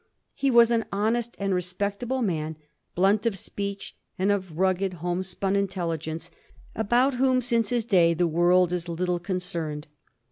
He was an honest and respectable man, blunt of speech, and of rugged homespun intelligence, about whom, since his day, the world is little concerned.